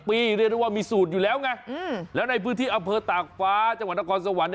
เรียกได้ว่ามีสูตรอยู่แล้วไงแล้วในพื้นที่อำเภอตากฟ้าจังหวัดนครสวรรค์